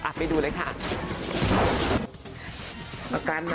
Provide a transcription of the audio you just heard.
อ่ะไปดูเลยค่ะ